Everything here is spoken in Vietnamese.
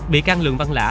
bị can lường văn lã